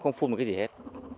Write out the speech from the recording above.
không phun được cái gì hết